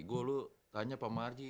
gue lu tanya pak marji